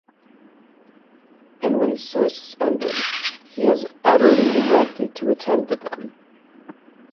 and when so suspended, he has utterly neglected to attend to them.